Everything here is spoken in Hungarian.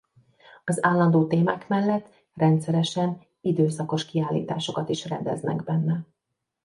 Az állandó témák mellett rendszeresen időszakos kiállításokat is rendeznek benne.